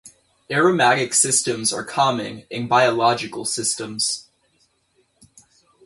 Aromatic systems are common in biological systems.